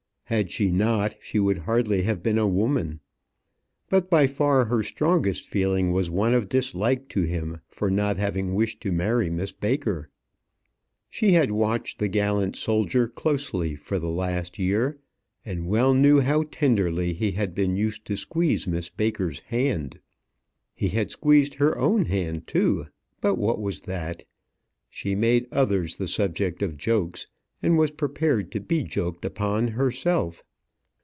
Had she not, she would hardly have been a woman. But by far her strongest feeling was one of dislike to him for not having wished to marry Miss Baker. She had watched the gallant soldier closely for the last year, and well knew how tenderly he had been used to squeeze Miss Baker's hand. He had squeezed her own hand too; but what was that? She made others the subject of jokes, and was prepared to be joked upon herself.